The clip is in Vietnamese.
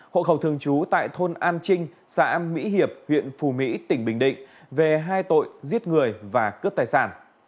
hộ khẩu thường trú tại thôn an trinh xã mỹ hiệp huyện phù mỹ tỉnh bình định về hai tội giết người và cướp tài sản